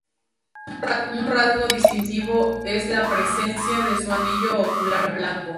Un rasgo distintivo es la presencia de su anillo ocular blanco.